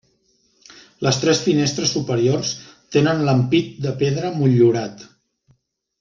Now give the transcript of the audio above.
Les tres finestres superiors tenen l'ampit de pedra motllurat.